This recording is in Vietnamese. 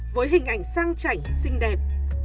với hình ảnh sang chảnh xinh đẹp